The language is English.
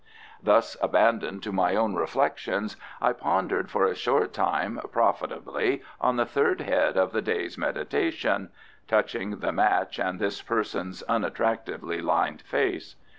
Thus abandoned to my own reflections, I pondered for a short time profitably on the third head of the day's meditation (Touching the match and this person's unattractively lined face.